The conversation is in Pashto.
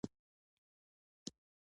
دا اوبه یخې دي.